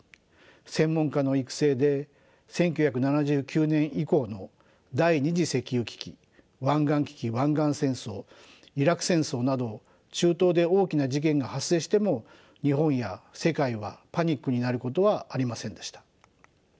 専門家の育成で１９７９年以降の第２次石油危機湾岸危機・湾岸戦争イラク戦争など中東で大きな事件が発生しても日本や世界はパニックになることはありませんでした。